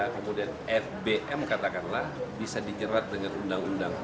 kemudian fbm katakanlah bisa dijerat dengan undang undang